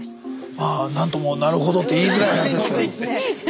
まあなんともなるほどって言いづらい話ですけど。